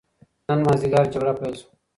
نن ماځیګر جګړه پيل سوه.